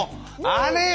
あれよ。